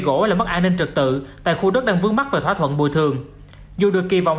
gỗ làm mất an ninh trật tự tại khu đất đang vướng mắt và thỏa thuận bồi thường dù được kỳ vọng